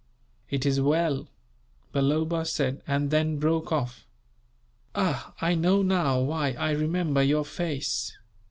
"It is well," Balloba said, and then broke off: "Ah! I know now why I remember your face.